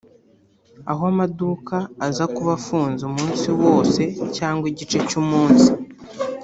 aho amaduka aza kuba afunze umusi wose cyangwa igice cy’umunsi